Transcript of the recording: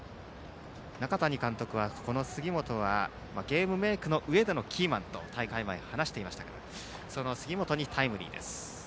中谷監督は、この杉本はゲームメイクのうえでのキーマンと大会前に話していましたがその杉本にタイムリーです。